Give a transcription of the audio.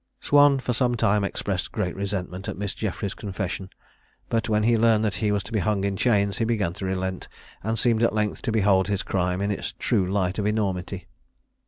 Swan for some time expressed great resentment at Miss Jeffries's confession; but when he learned that he was to be hung in chains he began to relent, and seemed at length to behold his crime in its true light of enormity.